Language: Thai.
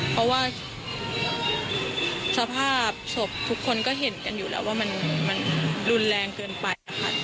เพราะว่าสภาพศพทุกคนก็เห็นกันอยู่แล้วว่ามันรุนแรงเกินไป